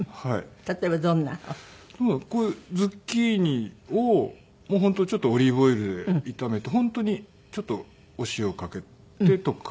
例えばこういうズッキーニを本当ちょっとオリーブオイルで炒めて本当にちょっとお塩をかけてとか。